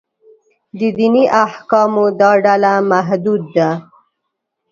د دیني احکامو دا ډله محدود ده.